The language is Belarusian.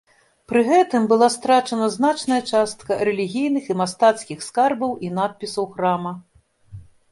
Пры гэтым была страчана значная частка рэлігійных і мастацкіх скарбаў і надпісаў храма.